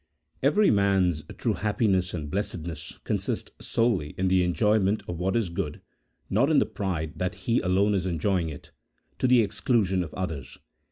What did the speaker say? EYEEY man's true happiness and blessedness consist solely in the enjoyment of what is good, not in the pride that he alone is enjoying it, to the exclusion of others.